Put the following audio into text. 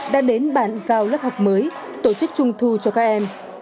đã đến bàn giao lớp học mới tổ chức trung thu cho các em